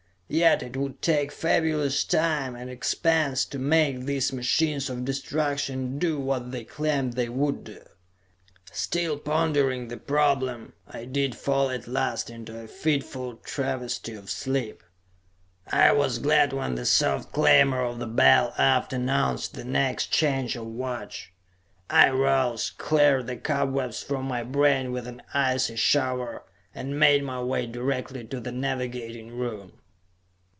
Yet it would take fabulous time and expense to make these machines of destruction do what they claimed they would do. Still pondering the problem, I did fall at last into a fitful travesty of sleep. I was glad when the soft clamor of the bell aft announced the next change of watch. I rose, cleared the cobwebs from my brain with an icy shower, and made my way directly to the navigating room.